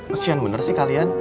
meskipun bener sih kalian